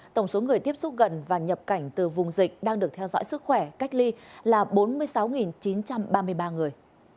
tổng số người tiếp xúc gần và nhập cảnh từ vùng dịch đang được theo dõi sức khỏe cách ly là bốn mươi sáu chín trăm ba mươi ba người